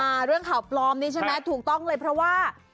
เรื่องข่าวปลอมนี้ใช่ไหมถูกต้องเลยเพราะว่า